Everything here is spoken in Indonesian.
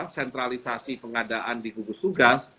sentralisasi pengadaan di gugus tugas